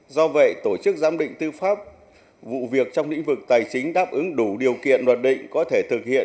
do vậy tổ chức giám định tư pháp vụ việc trong lĩnh vực tài chính đáp ứng đủ điều kiện luật định có thể thực hiện